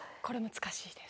難しい？